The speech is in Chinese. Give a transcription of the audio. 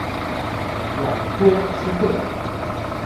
朗托斯克。